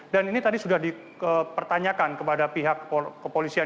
dan ini tadi sudah dipertanyakan kepada pihak kepolisian